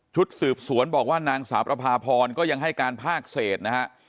สืบสวนบอกว่านางสาวประพาพรก็ยังให้การภาคเศษนะฮะ